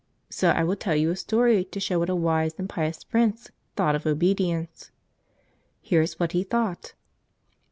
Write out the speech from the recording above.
So I will tell you a story to show what a wise and pious Prince thought of obedience. Here's what he thought.